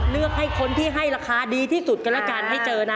เลือกให้คนที่ให้ราคาดีที่สุดกันแล้วกันให้เจอนะ